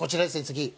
次。